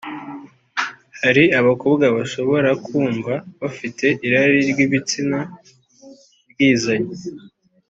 Hari abakobwa bashobora kumva bafite irari ry’ibitsina ryizanye